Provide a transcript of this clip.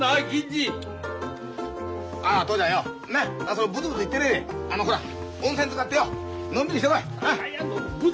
そんなブツブツ言ってねえであのほら温泉つかってよのんびりしてこい。な！バカヤロー！